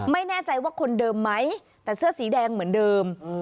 ไม่แน่ใจว่าคนเดิมไหมแต่เสื้อสีแดงเหมือนเดิม